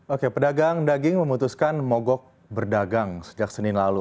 oke pedagang daging memutuskan mogok berdagang sejak senin lalu